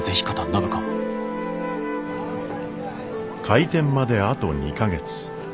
開店まであと２か月。